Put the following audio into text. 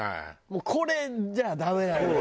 もうこれじゃダメなのよ。